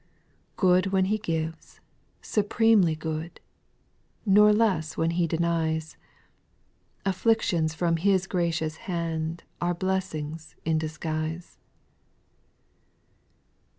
8. Good when He gives, supremely good, Nor less when He denies ; Afflictions from His gracious hand Are blessings in disguise.